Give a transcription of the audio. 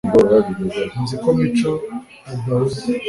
nzi ko mico adahuze